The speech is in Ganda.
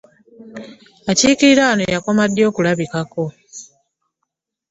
Akiikirira wano yakoma ddi okulabikako?